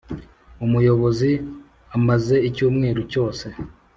Umuyobozi amaze icyumweru cyose